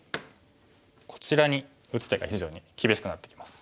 こちらに打つ手が非常に厳しくなってきます。